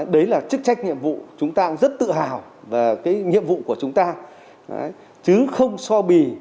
đấy là chức trách nhiệm vụ chúng ta rất tự hào về cái nhiệm vụ của chúng ta chứ không so bì